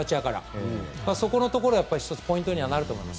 そこのところはポイントになると思います。